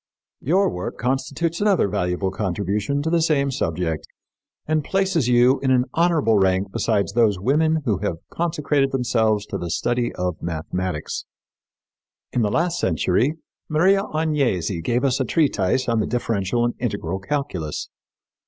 Your work constitutes another valuable contribution to the same subject and places you in an honorable rank beside those women who have consecrated themselves to the study of mathematics. In the last century Maria Agnesi gave us a treatise on the differential and integral calculus.